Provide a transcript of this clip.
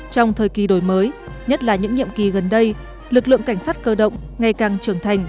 trong thời kỳ đổi mới nhất là những nhiệm kỳ gần đây lực lượng cảnh sát cơ động ngày càng trưởng thành